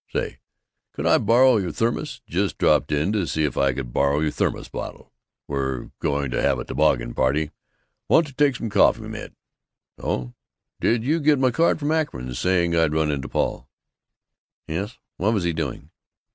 Say, could I borrow your thermos just dropped in to see if I could borrow your thermos bottle. We're going to have a toboggan party want to take some coffee mit. Oh, did you get my card from Akron, saying I'd run into Paul?" "Yes. What was he doing?"